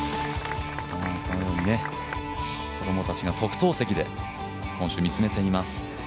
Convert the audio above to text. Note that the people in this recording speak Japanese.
このように子供たちが特等席で見つめています。